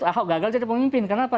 ahok gagal jadi pemimpin kenapa